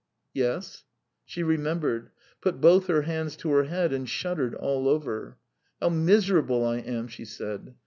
"Yes." She remembered; put both hands to her head and shuddered all over. "How miserable I am!" she said.